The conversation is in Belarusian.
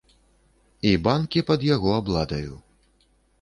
І банкі пад яго абладаю.